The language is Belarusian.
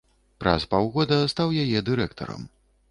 Праз паўгода стаў яе дырэктарам.